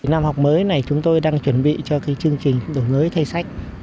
năm học mới này chúng tôi đang chuẩn bị cho chương trình đổi mới thay sách